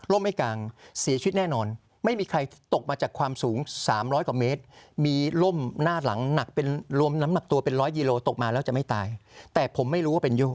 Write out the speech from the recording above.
ล่มไม่กลางเสียชุดแน่นอนไม่มีใครตกมาจากความสูงสามร้อยกว่าเมตร